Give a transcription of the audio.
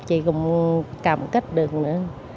chị cũng cảm kích được nữa